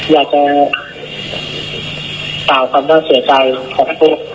อยากจะเป่าคำว่าเสียใจของพวก